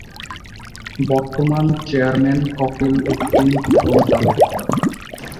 বর্তমান চেয়ারম্যান-কফিল উদ্দিন খোকন তালুকদার।